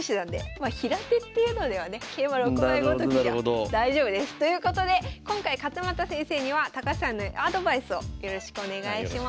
まあ平手っていうのではね桂馬６枚ごときでは大丈夫です。ということで今回勝又先生には高橋さんにアドバイスをよろしくお願いします。